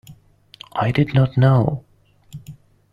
I did not know.